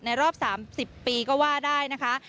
รอบ๓๐ปีก็ว่าได้นะคะ